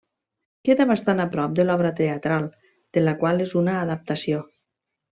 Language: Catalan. Queda bastant a prop de l'obra teatral de la qual és una adaptació.